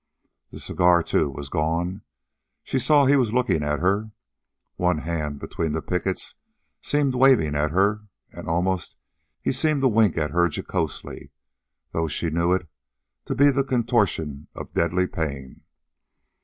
The cigar, too, was gone. She saw he was looking at her. One hand, between the pickets, seemed waving at her, and almost he seemed to wink at her jocosely, though she knew it to be the contortion of deadly pain.